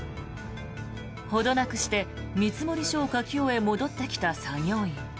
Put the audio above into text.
ほどなくして見積書を書き終え戻ってきた作業員。